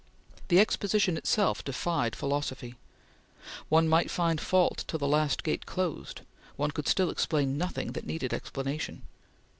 The Exposition itself defied philosophy. One might find fault till the last gate closed, one could still explain nothing that needed explanation.